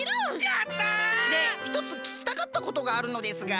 やった！でひとつききたかったことがあるのですが。